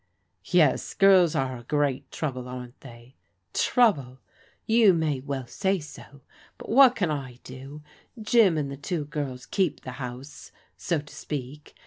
" Yes, girls are a great trouble, aren't they ?"*' Trouble ! you may well say so. But what can I do ? Jim and the two girls keep the house, so to speak.